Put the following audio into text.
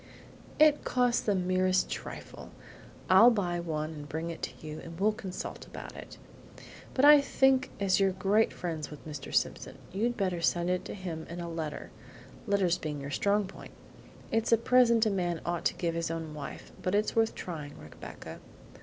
"It costs the merest trifle. I'll buy one and bring it to you, and we'll consult about it; but I think as you're great friends with Mr. Simpson you'd better send it to him in a letter, letters being your strong point! It's a present a man ought to give his own wife, but it's worth trying, Rebecca.